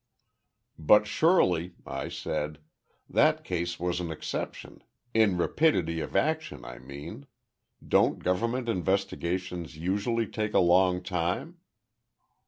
"But, surely," I said, "that case was an exception. In rapidity of action, I mean. Don't governmental investigations usually take a long time?"